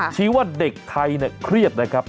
ชี้ว่าเด็กไทยเครียดนะครับ